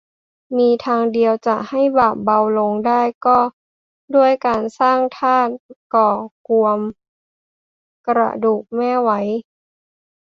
มีทางเดียวจะให้บาปเบาลงได้ก็ด้วยการสร้างธาตุก่อกวมกระดูกแม่ไว้